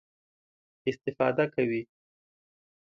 استفاده کوي.